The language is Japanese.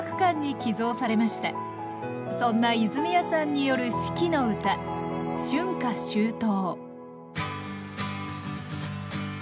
そんな泉谷さんによる四季のうた「春夏秋冬」